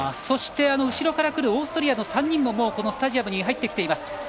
そして、後ろから来るオーストリアの３人もスタジアムに入ってきています。